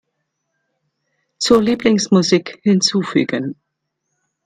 Zur Lieblingsmusik hinzufügen.